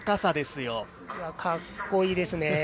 格好いいですね。